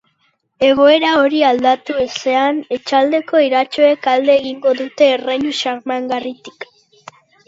Egoera hori aldatu ezean, etxaldeko iratxoek alde egingo dute erreinu xarmangarritik.